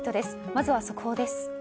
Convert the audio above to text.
まずは速報です。